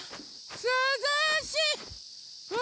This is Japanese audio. すずしい！